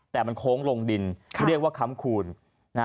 แต่มันโครงลงดีนคือเรียกว่าคำคูณ